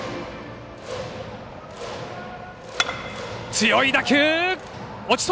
強い打球。